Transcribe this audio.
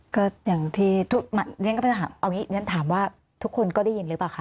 ก็อย่างที่เรียนถามว่าทุกคนก็ได้ยินหรือเปล่าคะ